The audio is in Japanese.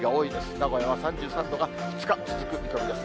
名古屋は３３度が２日続く見込みです。